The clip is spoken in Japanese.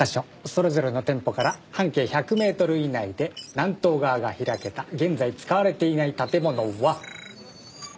それぞれの店舗から半径１００メートル以内で南東側が開けた現在使われていない建物は。